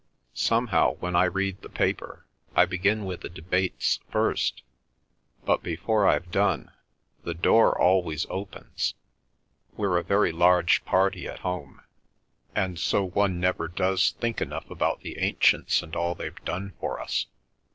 Somehow when I read the paper, I begin with the debates first, and, before I've done, the door always opens—we're a very large party at home—and so one never does think enough about the ancients and all they've done for us.